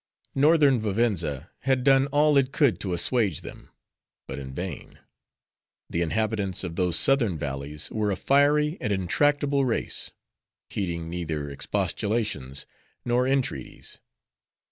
Northern Vivenza had done all it could to assuage them; but in vain; the inhabitants of those southern valleys were a fiery, and intractable race; heeding neither expostulations, nor entreaties.